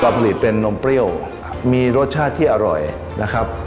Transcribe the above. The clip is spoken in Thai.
ผลิตเป็นนมเปรี้ยวมีรสชาติที่อร่อยนะครับ